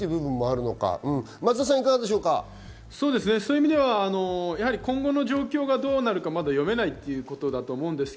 そういう意味では今後の状況がどうなるか読めないということだと思います。